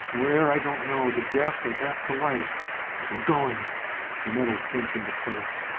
Where, I don't know. To death, or back to life. But we're going!" The metal clinked into place.